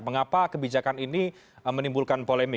mengapa kebijakan ini menimbulkan polemik